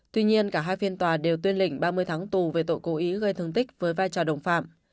tuy nhiên cả hai phiên tòa đều tuyên lĩnh ba mươi tháng tù về tội cố ý gây thương tích với vai trò đồng phạm